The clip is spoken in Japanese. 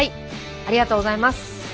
ありがとうございます。